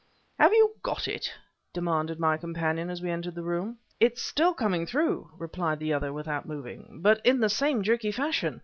"Have you got it?" demanded my companion as we entered the room. "It's still coming through," replied the other without moving, "but in the same jerky fashion.